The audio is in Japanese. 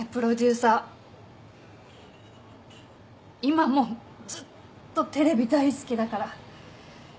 今もずっとテレビ大好きだから。